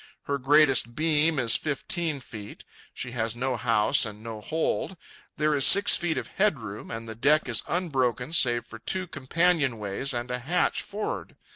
Her greatest beam is fifteen feet. She has no house and no hold. There is six feet of headroom, and the deck is unbroken save for two companionways and a hatch for'ard.